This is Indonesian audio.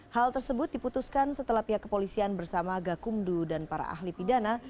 hal tersebut diputuskan setelah pihak kepolisian bersama gakumdu dan para ahli pidana